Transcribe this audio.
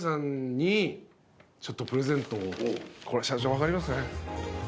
これ社長分かりますかね？